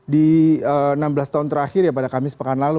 di enam belas tahun terakhir ya pada kamis pekan lalu